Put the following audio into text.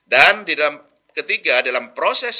dan di dalam ketiga dalam proses